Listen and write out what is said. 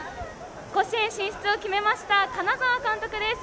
甲子園進出を決めました金沢監督です。